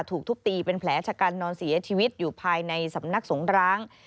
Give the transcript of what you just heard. ถูกทุบตีเป็นแผลชะกันนอนเสียชีวิตอยู่ภายในสำนักสงร้าง